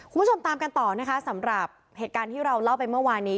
คุณผู้ชมตามกันต่อนะคะสำหรับเหตุการณ์ที่เราเล่าไปเมื่อวานนี้